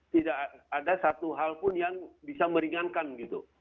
tidak ada satu hal pun yang bisa meringankan gitu